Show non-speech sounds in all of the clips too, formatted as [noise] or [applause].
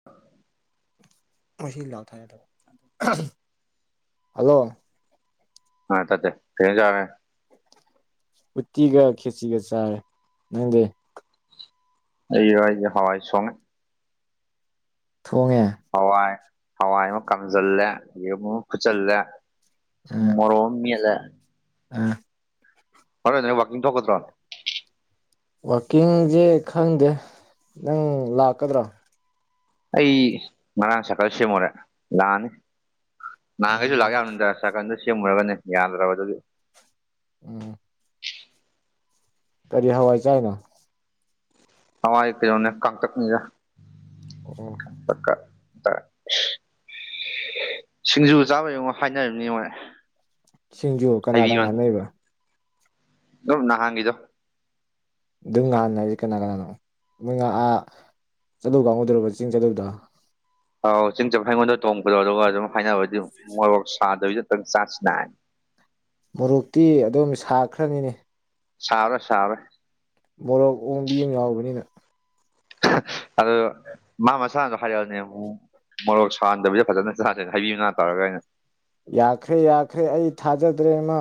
[inaudible] [unintelligible] [unintelligible] ꯎꯇꯤꯒ ꯈꯦꯆꯤꯒ ꯆꯔꯦ ꯅꯪꯗꯤ ꯑꯩꯔꯣ ꯍꯥꯏꯖꯦ ꯍꯥꯋꯥꯏ ꯁꯣꯛꯅꯦ ꯊꯣꯡꯉꯦ ꯍꯋꯥꯏ ꯍꯋꯥꯏ ꯑꯃ ꯀꯥꯝꯖꯜꯂꯦ ꯌꯦꯔꯨꯝ ꯑꯃ ꯐꯨꯠꯆꯜꯂꯦ ꯃꯣꯔꯣꯛ ꯑꯃ ꯃꯦꯠꯂꯦ ꯑ ꯍꯣꯔꯦꯟ ꯅꯣꯏ ꯋꯥꯛꯀꯤꯡ ꯊꯣꯛꯀꯗ꯭ꯔꯣ ꯋꯥꯛꯀꯤꯡꯁꯦ ꯈꯪꯗꯦ ꯅꯪ ꯂꯥꯛꯀꯗ꯭ꯔꯣ ꯑꯩ ꯉꯔꯥꯡ ꯁꯥꯀꯜ ꯁꯦꯝꯃꯨꯔꯦ ꯂꯥꯛꯑꯅꯤ ꯅꯍꯥꯟꯈꯩꯁꯨ ꯎꯝ ꯂꯥꯛ ꯌꯥꯕꯅꯤꯗꯥ ꯁꯥꯀꯜꯗꯣ ꯁꯦꯝꯃꯨꯔꯒꯅꯦ ꯌꯥꯗ꯭ꯔꯕ ꯑꯗꯨꯒꯤ ꯎꯝ ꯀꯔꯤ ꯍꯋꯥꯏ ꯆꯥꯏꯅꯣ ꯍꯋꯥꯏ ꯀꯩꯅꯣꯅꯦ ꯀꯥꯡꯇꯛꯅꯤꯗ ꯑꯣ [unintelligible] ꯁꯤꯡꯖꯨ ꯆꯥꯕꯩ ꯑꯃꯨꯛ ꯍꯥꯏꯅꯔꯝꯅꯤ ꯃꯣꯏ ꯁꯤꯡꯖꯨ ꯀꯅꯥ ꯀꯅꯥ ꯍꯥꯏꯕꯤꯌꯣꯅ ꯂꯩꯕ ꯑꯗꯨꯝ ꯅꯍꯥꯟꯒꯤꯗꯣ ꯑꯗꯨꯝ ꯉꯍꯥꯟ ꯍꯥꯏꯁꯦ ꯀꯅꯥ ꯀꯅꯥꯅꯣ ꯃꯣꯏ ꯉꯥ ꯑꯥ ꯆꯠꯂꯨꯕ ꯀꯥꯡꯒꯨꯗꯨꯔꯕ ꯆꯤꯡ ꯆꯠꯂꯨꯗꯣ ꯑꯥꯎ ꯆꯤꯡ ꯆꯠꯄ ꯑꯩꯉꯣꯟꯗ ꯇꯣꯡꯕꯗꯣ ꯑꯗꯨꯒ ꯑꯗꯨꯝ ꯍꯥꯏꯅꯕꯗꯤ ꯃꯣꯔꯣꯛ ꯁꯥꯗꯕꯤ ꯇꯪ ꯆꯥꯁꯤꯅ ꯃꯣꯔꯣꯛꯇꯤ ꯑꯗꯨꯝ ꯁꯥꯈ꯭ꯔꯅꯤꯅꯦ ꯁꯥꯎꯔꯦ ꯁꯥꯥꯎꯔꯦ ꯃꯣꯔꯣꯛ ꯑꯣꯡꯕꯤ ꯑꯃ ꯌꯥꯎꯕꯅꯤꯅ ꯑꯗꯨ ꯃꯥ ꯃꯁꯥꯅꯁꯨ ꯍꯥꯏꯔꯛꯑꯕꯅꯦ ꯃꯨ ꯃꯣꯔꯣꯛ ꯁꯥꯍꯟꯗꯕꯤꯗ ꯐꯖꯅ ꯆꯥꯁꯦꯅ ꯍꯩꯕꯤ ꯃꯥꯅꯥ ꯇꯧꯔꯒꯑꯅ ꯌꯥꯈ꯭ꯔꯦ ꯌꯥꯈ꯭ꯔꯦ ꯑꯩ ꯊꯥꯖꯗ꯭ꯔꯦ ꯃꯥ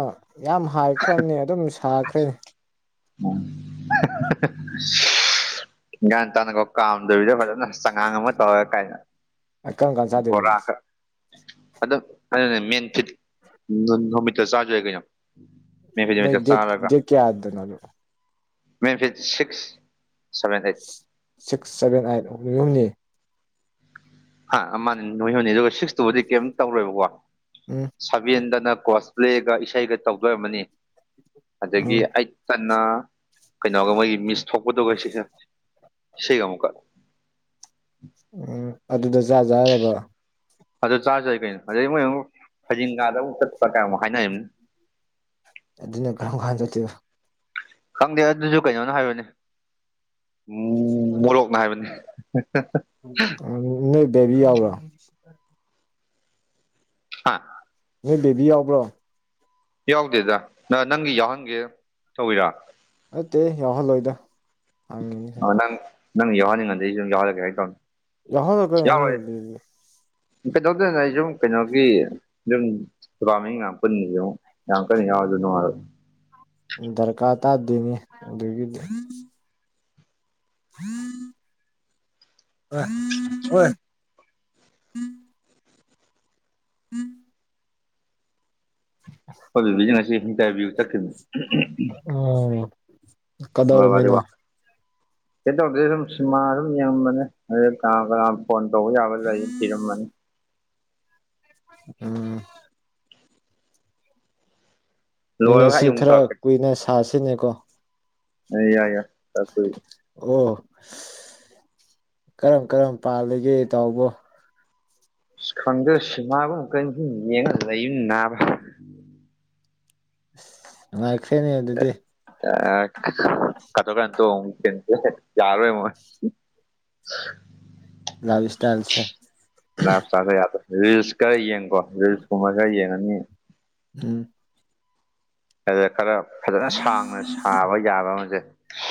ꯌꯥꯝ ꯍꯥꯏꯈ꯭ꯔꯕꯅꯤ ꯑꯗꯨꯝ ꯁꯥꯈ꯭ꯔꯦꯅꯦ [unintelligible] ꯒꯌ꯭ꯥꯟ ꯇꯥꯟꯅꯀꯣ ꯀꯥꯝꯗꯕꯤꯗ ꯐꯖꯅ ꯆꯉꯥꯡ ꯑꯃ ꯇꯧꯔꯦ ꯀꯥꯏꯅ ꯀꯔꯝ ꯀꯥꯟ ꯆꯥꯗꯣꯏꯕ ꯑꯗꯨꯗꯤ ꯕꯣꯔꯥꯒ ꯑꯗꯨ ꯑꯗꯣꯅꯦ ꯃꯦꯟꯐꯤꯠ ꯅꯨꯃꯤꯠꯇ ꯆꯥꯔꯁꯨ ꯌꯥꯏ ꯀꯩꯅꯣ ꯃꯦꯟ ꯐꯤꯠ ꯃꯣꯏ ꯅꯨꯃꯤꯠꯇ ꯗꯦꯠ ꯆꯥꯔꯒ ꯗꯦꯠ ꯀꯌꯥꯗꯅꯣ ꯑꯗꯨ ꯃꯦꯟꯐꯤꯠ six seven eight six seven eight ꯑꯍꯨꯝꯅꯤ ꯍꯥ ꯑꯃꯅꯤ [unintelligible] ꯑꯗꯨꯒ ꯁꯤꯛꯁ ꯇꯨꯕꯨꯗꯤ ꯀꯩꯝꯇ ꯇꯧꯔꯣꯏꯕꯀꯣ ꯎꯝ ꯁꯕꯦꯟꯗꯅ ꯀꯣꯁꯄ꯭ꯂꯦꯒ ꯏꯁꯩꯒ ꯇꯧꯗꯣꯏ ꯑꯣꯏꯔꯝꯃꯅꯤ ꯑꯗꯒꯤ ꯎꯝ ꯑꯥꯏꯠ ꯇꯅ ꯀꯩꯅꯣꯒ ꯃꯣꯏꯒꯤ ꯃꯤꯁ ꯊꯣꯛꯄꯗꯨꯒ [unintelligible] ꯏꯁꯩꯒ ꯑꯃꯨꯛꯀ ꯎꯝ ꯑꯗꯨꯗ ꯆꯥꯁꯦ ꯍꯥꯏꯔꯕ ꯑꯗꯨ ꯆꯥꯔꯁꯨ ꯌꯥꯏ ꯀꯩꯅꯣ ꯑꯗꯩ ꯃꯣꯏ ꯑꯃꯨꯛ ꯐꯩꯗꯤꯡꯒꯥꯗ ꯑꯃꯨꯛ ꯆꯠꯄ ꯀꯥꯏ ꯃꯨꯛ ꯍꯥꯏꯅꯔꯤꯕꯅꯤ ꯑꯗꯨꯅ ꯀꯔꯝ ꯀꯥꯟ ꯆꯠꯇꯩꯕ ꯈꯪꯗꯦ ꯑꯗꯨꯁꯨ ꯀꯩꯅꯣꯅ ꯍꯥꯏꯕꯅꯤ ꯃꯨ ꯃꯣꯔꯣꯛꯅ ꯍꯥꯏꯕꯅꯤ ꯅꯣꯏ ꯕꯦꯕꯤ ꯌꯥꯕꯔꯣ ꯍꯥ ꯅꯣꯏ ꯕꯦꯕꯤ ꯌꯥꯎꯕ꯭ꯔꯣ ꯌꯥꯎꯗꯦꯗꯥ ꯅ ꯅꯪꯒꯤ ꯌꯥꯎꯍꯟꯒꯦ ꯇꯧꯋꯤꯔ ꯅꯠꯇꯦ ꯌꯥꯎ ꯍꯜꯂꯣꯏꯗꯥ ꯑ ꯅꯪ ꯅꯪ ꯌꯥꯎꯍꯟꯅꯤꯡꯉꯗꯤ ꯑꯩꯁꯨ ꯑꯗꯨꯨꯝ ꯌꯥꯎꯍꯜꯂꯒꯦ ꯍꯥꯏ ꯇꯧꯅꯤ ꯌꯥꯎꯍꯟꯂꯨ ꯀꯩꯅꯣ ꯅꯣꯏꯗꯨꯗꯤ ꯀꯩꯗꯧꯗꯣꯏꯅꯣꯗꯥ ꯑꯩ ꯁꯨꯝ ꯀꯩꯅꯣꯒꯤ ꯗꯨꯝ [unintelligible] ꯌꯥꯝꯅ ꯀꯟꯅ ꯌꯥꯎꯔꯁꯨ ꯅꯨꯡꯉꯥꯏꯔꯣꯏ ꯗꯔꯀꯥꯔ ꯇꯥꯗꯦꯃꯤ ꯑꯗꯨꯒꯤꯗꯤ ꯑꯣꯏ ꯑꯣꯏ [unintelligible] ꯈꯣꯏ ꯕꯦꯕꯤꯒꯤ꫰ꯉꯁꯤ ꯏꯟꯗꯔꯐꯤꯎ ꯆꯠꯈꯤꯝꯅꯤ ꯎ ꯑꯪꯒꯜꯋꯥꯗꯤ ꯋꯥ ꯀꯩꯝ ꯇꯧꯗꯦ ꯁꯨꯝ ꯁꯤꯟꯃꯥ ꯁꯨꯝ ꯌꯦꯡꯉꯝꯕꯅꯦ ꯑꯗꯩ ꯀꯅꯥ ꯀꯅꯥꯝ ꯐꯣꯟ ꯇꯧꯕ ꯌꯥꯕ ꯂꯩꯌꯦ ꯄꯤꯔꯝꯃꯅꯤ ꯎꯝ ꯂꯣꯏꯔꯒ ꯃꯤꯅꯠꯁꯤ ꯑꯩ ꯑꯃꯨꯛ ꯈꯔ ꯇꯧꯔꯛꯀꯦ ꯀꯨꯏꯅ ꯁꯥꯁꯤꯅꯦꯀꯣ ꯌꯥꯏ ꯌꯥꯏ ꯆꯏ ꯑꯣ ꯀꯔꯝ ꯀꯔꯝ ꯄꯥꯜꯂꯤꯒꯦ ꯇꯥꯎꯕꯣ ꯈꯪꯗ꯭ꯔꯁꯨ ꯃꯥꯕꯨ ꯀꯩꯅꯁꯨꯨꯝ ꯌꯦꯡꯉꯒ ꯂꯩꯌꯨ ꯅꯥꯕ ꯑꯁ ꯅꯨꯡꯉꯥꯏꯈ꯭ꯔꯦꯅꯦ ꯑꯗꯨꯗꯤ ꯑ ꯀꯊ ꯀꯥꯟꯇ ꯌꯥꯔ ꯑꯣꯏꯃ [unintelligible] ꯏꯁꯇꯥꯏꯜꯁꯦ ꯂꯥꯐꯁꯇꯥꯏꯜꯗꯣ ꯌꯥꯗ꯭ꯔꯦ ꯔꯤꯜꯁ ꯈꯔ ꯌꯦꯡꯀꯣ ꯔꯤꯜꯁꯀꯨꯝꯕ ꯈꯔ ꯌꯦꯡꯉꯅꯤ ꯎꯝ ꯑꯗꯨꯗ ꯈꯔ ꯐꯖꯅ ꯁꯥꯡꯅ ꯁꯥꯕ ꯌꯥꯕ ꯑꯃꯁꯦ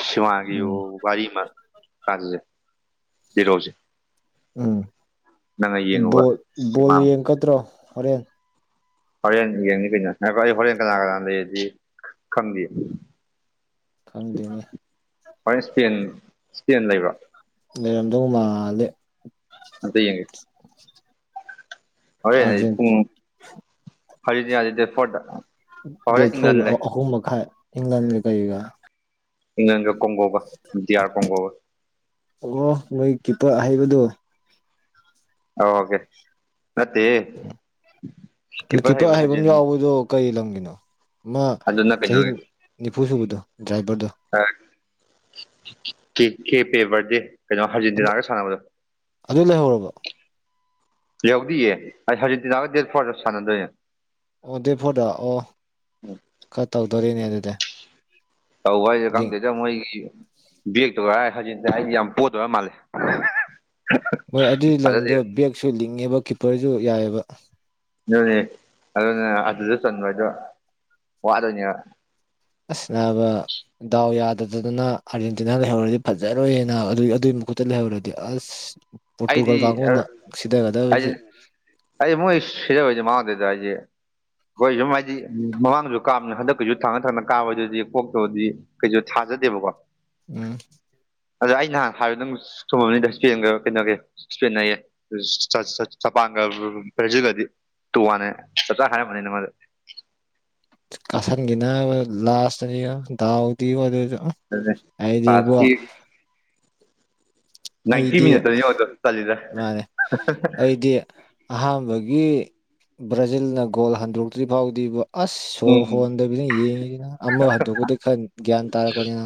ꯁꯤꯃꯒꯤ ꯎꯝ ꯋꯥꯔꯤ ꯑꯃ ꯇꯜꯂꯦ ꯄꯤꯔꯣꯁꯦ ꯎꯝ ꯌꯦꯡꯉꯨꯕ ꯕꯣꯜ ꯕꯣꯜ ꯁꯤꯃꯥ ꯌꯦꯡꯀꯗ꯭ꯔꯣ ꯍꯣꯔꯦꯟ ꯍꯣꯔꯦꯟ ꯌꯦꯡꯅꯤ ꯀꯩꯅꯣ ꯑꯩ ꯍꯣꯔꯦꯟ ꯀꯅꯥ ꯀꯅꯥ ꯂꯩꯌꯦꯗꯤ ꯈꯪꯗꯤꯌꯦ ꯈꯪꯗꯦꯅꯦ ꯍꯣꯏ ꯏꯁꯄꯦꯟ ꯏꯁꯄꯦꯟ ꯂꯩꯕ꯭ꯔꯣ ꯂꯩꯔꯝꯗꯧ ꯃꯥꯂꯦ ꯑꯝꯇꯌꯦꯡꯒꯦ ꯍꯣꯔꯦꯟ ꯑꯩ ꯑꯥꯔꯖꯦꯟ ꯄꯨꯡ ꯑꯔꯖꯦꯟꯇꯤꯅꯥꯗꯤ ꯗꯦꯠ ꯐꯣꯔꯗ ꯗꯦꯠ ꯍꯣꯔꯦꯟ ꯏꯪꯂꯟ ꯐꯣꯔꯒꯤ ꯂꯩ ꯑꯍꯨꯝ ꯃꯈꯥꯏ ꯏꯪꯂꯟꯒ ꯀꯩꯒ ꯏꯪꯂꯦꯟꯒ ꯀꯣꯡꯒꯣꯒ ꯏꯗꯤꯌꯥꯔ ꯀꯣꯡꯒꯣꯒ ꯑꯣ ꯅꯣꯏ ꯀꯤꯄꯔ ꯑꯍꯩꯕꯗꯨ ꯑꯣꯀꯦ ꯅꯠꯇꯦꯍꯦ ꯄ꯭ꯔꯤꯛꯀꯤꯠꯄꯔ ꯑꯍꯩꯕ ꯌꯥꯎꯕꯗꯣ ꯀꯔꯤ ꯂꯝꯒꯤꯅꯣ ꯃꯥ ꯑꯗꯨꯅ ꯆꯍꯤ ꯀꯩꯅꯣꯒꯤ ꯅꯤꯐꯨ ꯁꯨꯕꯗꯣ ꯗ꯭ꯔꯥꯏꯚꯔꯗꯣ ꯀ ꯀꯦ ꯄꯦ ꯕꯔꯗꯦ ꯀꯩꯅꯣ ꯍꯥꯔꯖꯦꯟꯇꯤꯅꯥꯒ ꯁꯥꯟꯅꯕꯗꯣ ꯑꯗꯨ ꯂꯩꯍꯧꯔꯕꯣ ꯂꯩꯍꯧꯗꯤꯌꯦ ꯑꯩ ꯍꯧꯖꯦꯟꯇꯤꯅꯥꯒ ꯗꯦꯠ ꯐꯣꯔꯗ ꯁꯥꯟꯅꯗꯣꯏꯅꯦ ꯑꯣ ꯗꯦꯠ ꯐꯣꯔꯗ ꯑꯣ ꯈꯔ ꯇꯧꯗꯣꯔꯤꯅꯦ ꯑꯗꯨꯗꯤ ꯇꯧꯕ ꯍꯥꯏꯁꯦ ꯂꯤꯡ ꯈꯪꯗꯣꯏꯗ ꯃꯣꯏꯒꯤ ꯕꯦꯛꯇꯣꯒ ꯍꯧꯖꯦꯟꯇꯤꯅ ꯑꯩꯗꯤ ꯌꯥꯝ ꯄꯣꯠꯇꯔ ꯃꯥꯜꯂꯦ ꯍꯣꯏ ꯑꯗꯨꯒꯤ ꯊꯥꯖꯗꯦ ꯂꯝꯗꯣ ꯕꯦꯛꯁꯨ ꯂꯤꯡꯉꯦꯕ ꯀꯤꯞꯄꯔꯁꯨ ꯌꯥꯏꯑꯕ ꯑꯗꯨꯅꯦ ꯑꯗꯨꯅꯦ ꯑꯗꯨꯗ ꯆꯟꯕ ꯍꯥꯏꯗꯣ ꯋꯥꯗꯣꯏꯅꯦꯕ ꯑꯁꯅꯥꯕ ꯗꯥꯎ ꯌꯥꯗꯗꯗꯅ ꯑꯥꯔꯖꯦꯟꯇꯤꯅꯥ ꯂꯩꯍꯧꯔꯗꯤ ꯐꯖꯔꯣꯏꯅ ꯑꯗꯨ ꯑꯗꯨꯏ ꯃꯈꯨꯠꯇ ꯂꯩꯍꯧꯔꯗꯤ ꯑꯁ ꯄꯣꯔꯇꯨꯒꯜ ꯑꯩꯗꯤ ꯀꯥꯡꯕꯨꯅ ꯑꯩ ꯁꯤꯊꯒꯗꯕꯕꯁꯤ ꯑꯩ ꯃꯣꯏ ꯁꯤꯙꯕ ꯍꯥꯏꯖꯦ ꯃꯥꯋꯥ ꯂꯧꯗꯦꯗ ꯑꯩꯁꯦ ꯑꯩꯈꯣꯏ ꯁꯨꯝ ꯍꯥꯏꯗꯤ ꯃꯃꯥꯡꯗꯁꯨ ꯀꯥꯕꯅꯤ ꯍꯟꯗꯛꯀꯤꯁꯨ ꯊꯥꯡꯅ ꯊꯥꯡꯅ ꯀꯥꯕꯗꯨꯗꯤ ꯀꯣꯛꯇꯕꯗꯤ ꯀꯩꯁꯨ ꯊꯥꯖꯗꯦꯕꯀꯣ ꯎꯝ ꯑꯗꯣ ꯑꯩ ꯅꯍꯥꯟ ꯍꯥꯏꯕꯗ ꯑꯗꯨ ꯆꯨꯃꯝꯅꯤꯗ ꯏꯁꯄꯦꯟꯒ ꯅꯣꯒꯤ ꯏꯁꯄꯦꯟ ꯍꯥꯏꯌꯦ ꯖꯄꯥꯟꯒ ꯕ꯭ꯔꯥꯖꯤꯜꯒꯗꯤ ꯇꯨ ꯋꯥꯅꯦ ꯆꯞ ꯆꯥ ꯍꯥꯏꯔꯝꯃꯅꯤ ꯅꯪꯉꯣꯟꯗ ꯀꯥꯁꯟꯈꯤ ꯅꯥꯕ ꯂꯥꯁꯇꯗꯤ ꯗꯥꯎꯗꯤ ꯑꯗꯨꯁꯨ ꯑꯗꯨꯅꯦ ꯍꯥꯏꯗꯤꯕꯨ ꯐ꯭ꯔꯥꯟꯁꯀꯤ ꯅꯥꯏꯟꯇꯤ ꯑꯩꯗꯤ ꯃꯤꯅꯠꯇꯅꯤ ꯌꯦꯡꯉꯣ ꯆꯜꯂꯤꯗꯣ ꯃꯥꯅꯦ ꯑꯩꯗꯤ ꯑꯍꯥꯟꯕꯒꯤ ꯕ꯭ꯔꯥꯖꯤꯜꯅ ꯒꯣꯜ ꯍꯟꯗꯣꯛꯇ꯭ꯔꯤ ꯐꯥꯎꯗꯤꯕꯣ ꯑꯁ ꯁꯣꯔ ꯎꯝ ꯍꯣꯟꯗꯕꯤꯗꯅ ꯌꯦꯡꯉꯤꯁꯤꯅ ꯑꯃ ꯍꯟꯗꯣꯛꯄꯗꯤ ꯈꯔ ꯒ꯭ꯌꯥꯟ ꯇꯥꯔꯛꯄꯅꯤꯅ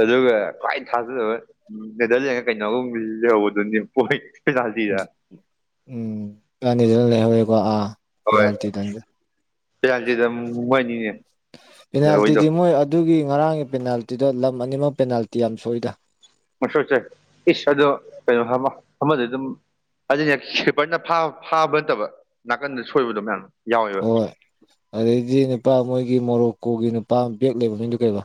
ꯑꯗꯨꯒ ꯈ꯭ꯋꯥꯏ ꯊꯥꯖꯗꯕ ꯎ ꯅꯦꯗꯔꯂꯦꯟꯒ ꯀꯩꯅꯣꯒꯨꯝꯕ ꯂꯩꯍꯧꯕꯗꯨꯅꯦ ꯄꯣꯏ ꯄꯦꯅꯥꯜꯇꯤꯗ ꯎꯝ [unintelligible] ꯂꯩꯍꯧꯔꯦꯀꯣ ꯑꯥ ꯍꯣꯏ ꯄꯦꯅꯥꯜꯇꯤꯗ ꯄꯦꯅꯥꯜꯇꯤꯗ ꯃꯣꯏꯅꯤꯅꯦ ꯂꯩꯍꯧꯔꯤꯗꯣ ꯄꯦꯅꯥꯜꯇꯤꯗꯤ ꯃꯣꯏ ꯑꯗꯨꯒꯤ ꯉꯔꯥꯡꯒꯤ ꯄꯦꯅꯥꯜꯇꯤꯗꯣ ꯂꯝ ꯑꯅꯤꯃꯛ ꯄꯦꯅꯥꯜꯇꯤ ꯌꯥꯝ ꯁꯣꯏꯗ ꯃꯁꯛꯁꯦ ꯏꯁ ꯑꯗꯣ ꯀꯩꯅꯣ ꯑꯃꯗꯤ ꯑꯗꯨꯝ ꯑꯗꯨꯅꯦ ꯁ꯭ꯋꯄꯔꯅ ꯐꯥꯕ ꯅꯠꯇꯕ ꯅꯥꯀꯟꯗ ꯁꯣꯏꯕꯗꯣ ꯃꯌꯥꯝ ꯌꯥꯎꯋꯦꯕ ꯍꯣꯏ ꯑꯗꯩꯗꯤ ꯅꯨꯄꯥ ꯃꯣꯏꯒꯤ ꯃꯣꯔꯣꯛꯀꯣꯒꯤ ꯅꯨꯄꯥ ꯕꯦꯛ ꯂꯩꯕ [unintelligible] ꯀꯩꯕ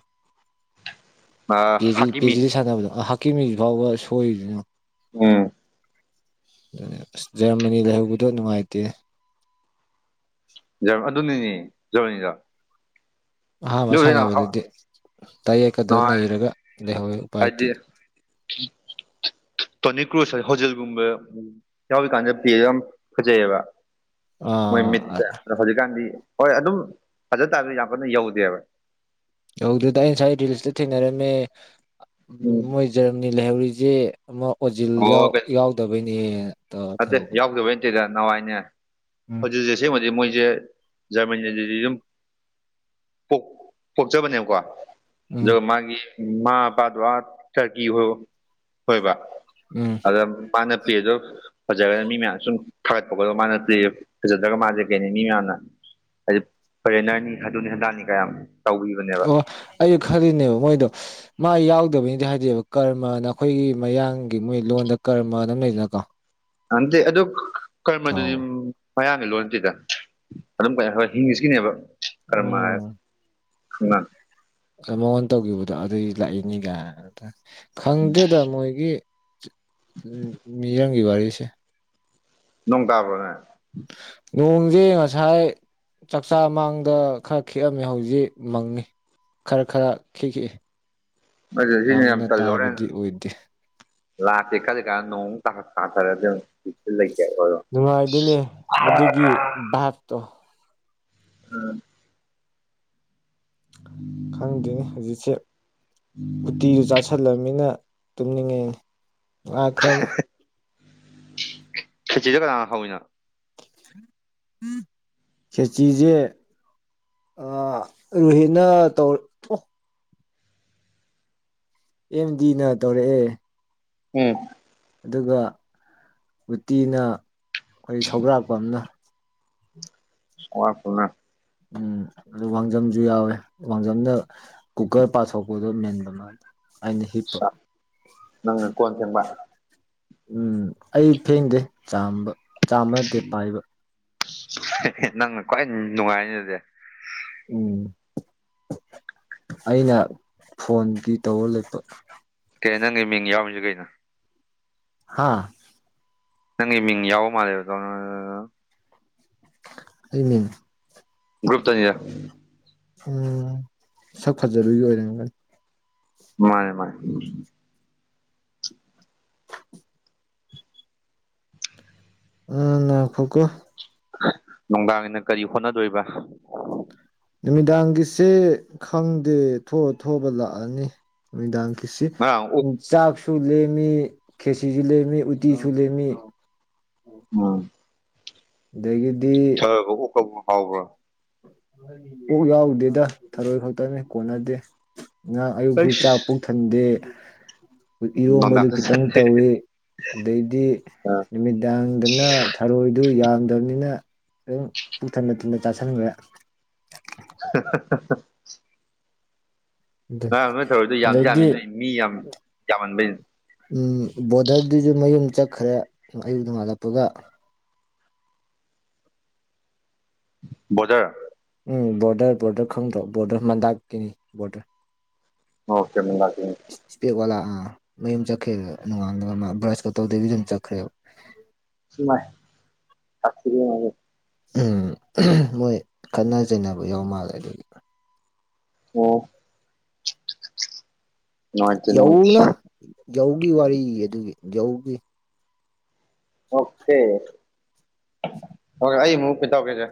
ꯄꯦꯖꯤ ꯍꯥꯀꯤꯃꯤ ꯄꯦꯖꯤꯗꯤ ꯁꯥꯟꯅꯕꯗꯣ ꯍꯥꯛꯀꯤꯃꯤ ꯐꯥꯎꯕ ꯁꯣꯏꯔꯤꯗꯨꯅꯤ ꯎꯝ ꯑꯗꯨꯅꯦ ꯑꯁ ꯖꯔꯃꯅꯤ ꯂꯩꯍꯧꯕꯗꯣ ꯅꯨꯡꯉꯥꯏꯇꯦ ꯑꯗꯨꯅꯤꯅꯦ ꯖꯔꯃꯅꯤꯗꯣ ꯑꯍꯥꯟꯕ ꯁꯥꯟꯅꯕꯗꯗꯤ ꯇꯌꯦꯀꯗ ꯅꯩꯔꯒ ꯂꯩꯍꯧꯋꯤ ꯎꯄꯥꯏ ꯂꯩꯇꯦ ꯍꯥꯏꯗꯤ ꯇꯣꯅꯤ ꯀ꯭ꯔꯨꯁ ꯍꯥꯏ ꯍꯣꯖꯤꯦꯜꯒꯨꯝꯕ ꯌꯥꯎꯔꯤꯀꯥꯟꯗ ꯄ꯭ꯂꯦ ꯌꯥꯝ ꯐꯖꯩꯑꯕ ꯃꯣꯏ ꯑꯥ ꯃꯤꯠꯁꯦ ꯑ ꯍꯧꯖꯤꯛꯀꯥꯟꯗꯤ ꯍꯣꯏ ꯑꯗꯨꯝ ꯐꯖ ꯇꯥꯁꯨ ꯌꯥꯝ ꯀꯟꯅ ꯌꯧꯗꯦꯕ ꯌꯩꯗꯦꯗ ꯑꯩ ꯉꯁꯥꯏ ꯔꯤꯜꯁꯇ ꯊꯦꯡꯅꯔꯝꯃꯦ ꯎꯝ ꯃꯣꯏ ꯖꯔꯝꯅꯤ ꯂꯩꯍꯧꯔꯤꯁꯦ ꯑꯃ ꯑꯣꯖꯤꯜ ꯌꯥꯏ ꯑꯣ ꯌꯥꯎꯗꯕꯩꯅꯦ ꯇꯧꯔ ꯅꯠꯇꯦ ꯇꯧꯕꯅꯦ ꯌꯥꯎꯗꯕꯩ ꯅꯇꯦꯗ ꯅꯍꯥꯋꯥꯏꯅꯦ ꯎꯝ ꯍꯧꯖꯤꯛ ꯍꯧꯖꯤꯛ ꯑꯁꯦꯡꯕꯗꯤ ꯃꯣꯏꯁꯦ ꯖꯔꯃꯅꯤ ꯑꯗꯨꯗꯤ ꯑꯗꯨꯝ ꯄꯣꯛ ꯄꯣꯛꯆꯕꯅꯦꯕꯀꯣ ꯎꯝ ꯑꯗꯨꯒ ꯃꯥꯒꯤ ꯃꯃꯥ ꯃꯄꯥꯗꯨ ꯑꯥ ꯇꯔꯀꯤ ꯑꯣꯏꯕ ꯎꯝ ꯑꯗ ꯃꯥꯅ ꯄ꯭ꯂꯦꯗꯨ ꯐꯖꯔꯅꯤ ꯃꯌꯥꯝꯅ ꯁꯨꯝ ꯊꯥꯒꯠꯄꯒꯗꯣ ꯃꯥꯅ ꯄ꯭ꯂꯦ ꯐꯖꯗ꯭ꯔꯒ ꯃꯥꯁꯦ ꯀꯩꯅꯤ ꯃꯤ ꯃꯌꯥꯝꯅ ꯍꯥꯏꯗꯤ ꯐꯣꯔꯦꯟꯅꯔꯅꯤ ꯑꯗꯨꯅꯤ ꯑꯗꯥꯅꯤ ꯀꯥ ꯌꯥꯝ ꯇꯧꯕꯤꯌꯨ ꯑꯣ ꯑꯩꯁꯨ ꯈꯜꯂꯤꯅꯦꯕ ꯃꯣꯏꯗꯣ ꯃꯥ ꯌꯥꯎꯗꯕꯅꯤꯗꯤ ꯍꯥꯏꯗꯦꯕ ꯀꯔꯃꯅ ꯑꯩꯈꯣꯏꯒꯤ ꯃꯌꯥꯡꯒꯤ ꯃꯣꯏ ꯂꯣꯟꯗ ꯀꯔꯃꯅ ꯂꯩꯗꯅꯀꯣ ꯑꯗꯤ ꯑꯗꯨ ꯀꯔꯃ ꯗꯨꯗꯤ ꯊꯥꯎ ꯃꯌꯥꯡꯒꯤ ꯂꯣꯟ ꯅꯠꯇꯦꯗ ꯑꯗꯨꯝ ꯀꯩꯅꯣ ꯏꯡꯂꯤꯁꯀꯤꯅꯦꯕ ꯀꯔꯃ ꯍꯥꯏ ꯎꯝ ꯏꯃꯥ ꯃꯉꯣꯟ ꯇꯧꯈꯤꯕꯗꯣ ꯑꯗꯨꯏ ꯂꯥꯛꯏꯅꯤꯒꯥꯏ ꯑ ꯈꯪꯗꯦꯗ ꯃꯣꯏꯒꯤ ꯃꯤꯔꯝꯒꯤ ꯋꯥꯔꯤꯁꯦ ꯅꯣꯡ ꯇꯥꯕ꯭ꯔꯣꯅꯦ ꯅꯣꯡꯁꯦ ꯉꯁꯥꯏ ꯆꯥꯛꯆꯥ ꯃꯥꯡꯗ ꯈꯔ ꯈꯤꯛꯑꯝꯃꯦ ꯍꯧꯖꯤꯛ ꯃꯪꯉꯤ ꯈꯔ ꯈꯔ ꯈꯤꯛꯏ ꯑꯗꯨ ꯁꯤꯅ ꯌꯥꯝꯅ ꯇꯥꯕꯗꯤ ꯑꯣꯏꯗꯦ ꯂꯥꯛꯇꯦ ꯈꯜꯂꯤ ꯀꯥꯟ ꯅꯣꯡ ꯑꯃꯨꯛ ꯇꯥ ꯇꯥꯊꯔꯛꯑꯗꯤ ꯑꯗꯨꯝ ꯕꯤꯠꯇꯤ ꯂꯩꯇꯦꯀꯣ ꯑꯗꯣ ꯅꯨꯡꯉꯥꯏꯗꯨꯏꯅꯦ ꯃꯗꯨꯒꯤ ꯚꯥꯏꯞꯇꯣ ꯎꯝ ꯈꯪꯗꯦꯅꯦ ꯍꯧꯖꯤꯛꯁꯦ ꯎꯇꯤꯖꯨ ꯆꯥꯥꯁꯤꯜꯂꯝꯃꯤꯅ ꯇꯨꯝꯅꯤꯡꯉꯦꯅꯦ ꯂꯥꯛꯈ꯭ꯔꯕ ꯈꯦꯆꯤꯗꯣ ꯀꯅꯥꯅ ꯍꯧꯔꯤꯅꯣ ꯈꯦꯆꯤꯖꯦ ꯑꯥ ꯔꯨꯍꯤꯠꯅ ꯇꯧ ꯑꯦꯝꯗꯤꯅ ꯇꯧꯔꯛꯑꯦ ꯎꯝ ꯑꯗꯨꯒ ꯎꯇꯤꯅ ꯑꯩꯈꯣꯏ ꯁꯧꯒ꯭ꯔꯥꯛꯄꯝꯅ [unintelligible] ꯎꯝ ꯑꯗꯨ ꯋꯥꯡꯖꯝꯁꯨ ꯌꯥꯎꯋꯦ ꯋꯥꯡꯖꯝꯅ ꯀꯨꯀꯔ ꯄꯥꯊꯣꯛꯄꯗꯣ ꯃꯦꯟꯕ ꯃꯥꯅ ꯑꯩꯅ ꯍꯤꯞꯄ ꯅꯪꯅ ꯀꯣꯟ ꯐꯦꯡꯕ ꯎꯝ ꯑꯩ ꯐꯦꯡꯗꯦ ꯆꯥꯝꯕ ꯆꯥꯝꯕ ꯅꯠꯇꯦ ꯄꯥꯏꯕ ꯑꯦ ꯅꯪꯅ ꯈ꯭ꯋꯥꯏ ꯅꯨꯡꯉꯥꯏꯅꯤ ꯑꯗꯨꯗꯤ ꯎꯝ ꯑꯩꯅ ꯐꯣꯟꯗꯤ ꯇꯧꯔ ꯂꯩꯄ ꯀꯦ ꯅꯪꯒꯤ ꯃꯤꯡ ꯌꯥꯎꯔꯤꯁꯤ ꯀꯩꯅꯣ ꯍꯥꯥ ꯅꯪꯒꯤ ꯃꯤ ꯌꯥꯎ ꯃꯥꯂꯔꯅ ꯍꯅꯤ ꯭ꯔꯨꯨꯞꯇꯅꯤꯔ ꯎꯝ ꯁꯛ ꯐꯖꯔꯨꯒꯤ ꯑꯣꯏꯅꯒ ꯃꯥꯅꯦ ꯃꯥꯅꯦ ꯎ ꯈꯣꯈꯣ ꯅꯨꯡꯗꯥꯡꯒꯤꯅ ꯀꯔꯤ ꯍꯣꯠꯅꯗꯣꯏꯕ ꯅꯨꯃꯤꯗꯥꯡꯒꯤꯁꯦ ꯈꯪꯗꯦ ꯊꯣꯛꯑ ꯊꯣꯛꯑꯕ ꯂꯥꯛꯑꯅꯤ ꯥꯡ ꯀꯁꯤ ꯉꯔꯥꯡ ꯑꯣꯛ ꯆꯥꯛꯁꯨ ꯂꯦꯝꯃꯤ ꯈꯦꯁꯤꯁꯨ ꯂꯦꯝꯃꯤ ꯎꯇꯤꯁꯨ ꯂꯦꯝꯃꯤ ꯎꯝ ꯑꯗꯒꯤꯗꯤ ꯛ ꯐꯥꯎꯕ꯭ꯔꯥ ꯀꯣꯛ ꯌꯥꯎꯗꯦꯗ ꯊꯔꯣꯏ ꯈꯛꯇꯅꯤ ꯀꯣꯟꯅꯗꯦ ꯉꯍ ꯑꯌꯨꯛꯁꯨ ꯆꯥꯛ ꯑꯩꯁ ꯄꯨꯡꯊꯟꯗꯦ ꯏꯔꯣꯝꯕꯗꯨ ꯅꯨꯡꯗꯥꯡꯁꯨ ꯈꯤꯇꯪ ꯆꯟꯗꯦ ꯇꯧꯏꯤ ꯑꯗꯩꯗꯤ ꯅꯨꯃꯤꯠ ꯌꯥꯥꯡꯗꯅ ꯊꯔꯣꯏꯗꯨ ꯌꯥꯝꯗꯕꯅꯤꯅ ꯑꯗꯨꯝ ꯄꯨꯛ ꯊꯟꯅ ꯊꯨꯟꯅ ꯆꯥꯁꯟꯈ꯭ꯔꯦ [inaudible] [inaudible] ꯑꯗꯨ ꯅꯥꯏ ꯅꯣꯏ ꯇꯧꯔꯤꯣꯏꯗꯣ ꯌꯥꯝ ꯌꯥꯝꯃꯤ ꯑꯗꯩꯗꯤ ꯅꯣꯏ ꯃꯤ ꯌꯥꯝ ꯌꯥꯝꯃꯟꯕꯩꯅꯤ ꯎꯝ ꯕꯣꯔꯗꯔꯗꯨꯁꯨ ꯃꯌꯨꯝ ꯆꯠꯈ꯭ꯔꯦ ꯑꯌꯨꯛ ꯅꯣꯡꯉꯥꯜꯂꯛꯄꯒ ꯕꯖꯔ ꯎꯝ ꯕꯣꯔꯗꯔ ꯕꯣꯔꯗꯔ ꯈꯪꯗ꯭ꯔꯣ ꯕꯣꯔꯗꯔ ꯃꯟꯗꯛꯀꯤꯅꯤ ꯕꯣꯔꯗꯔ ꯑꯣꯀꯦ ꯃꯥꯛ ꯏꯁꯄꯦꯛ ꯋꯥꯂꯥ ꯑꯥ ꯃꯌꯨꯝ ꯆꯠꯈ꯭ꯔꯦꯗ ꯅꯣꯡꯉꯥꯂ ꯃꯥ ꯕ꯭ꯔꯁꯀ ꯇꯧꯗꯕꯤꯗꯤ ꯑꯗꯨꯝ ꯆꯠꯈ꯭ꯔꯦꯕ ꯃꯥꯏ ꯆꯁꯤꯔꯤꯦ ꯃꯣꯏ ꯈꯠꯅ ꯆꯩꯅꯕ ꯌꯥꯎ ꯃꯥꯜꯂꯦ ꯑꯗꯨꯒꯤ ꯑꯣ ꯅꯨꯡꯉꯥꯏꯇꯦ ꯌꯧꯅ ꯌꯧꯒꯤ ꯋꯥꯔꯤ ꯑꯗꯨꯒꯤ ꯌꯧꯒꯤ ꯑꯣꯀꯦ ꯑꯣ ꯑꯩ ꯑꯃꯨ ꯄꯤ ꯇꯧ ꯀꯦꯁꯦ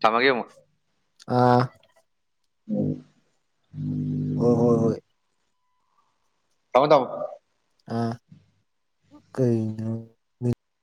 ꯇꯃꯒꯦ ꯑꯥ ꯎꯝ ꯍꯣꯏ ꯍꯣꯏ ꯍꯣꯏ ꯇꯥꯎ ꯇꯥꯎ ꯑ ꯀꯩꯩꯅꯣ